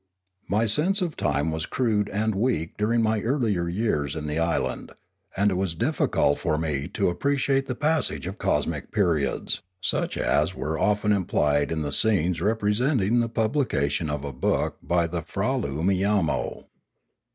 My sense of time was crude and weak during my earlier years in the island, and it was difficult for me to appreciate the passage of cosmic periods, such as were often implied in the scenes representing the publication of a book by the Fraloo miamo.